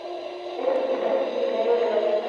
Era el primero de varias canciones de "Smile".